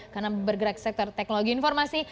karena bergerak sektor teknologi informasi